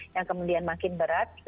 yang kemudian makin berat